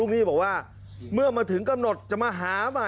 ดีครับ